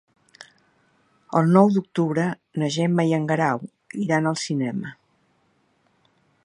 El nou d'octubre na Gemma i en Guerau iran al cinema.